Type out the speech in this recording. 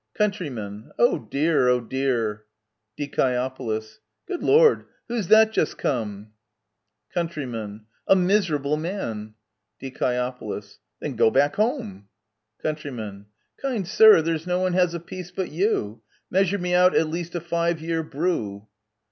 Countryman. Oh dear ! Oh dear ! Die. Good Lord ! who's that just come ! Count. A miserable man ! Die. Then — go back home !* Count. Kind sir, there's no one has a peace but you — Measure me out at least a five year brew